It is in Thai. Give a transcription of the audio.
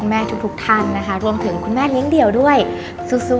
ในฐานะตอนนี้แพทย์รับสองตำแหน่งแล้วนะคะ